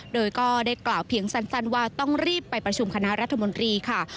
โดยก็ได้กล่าวเพียงสั้นว่าต้องรีบไปประชุมคณะรัฐมนตรีค่ะ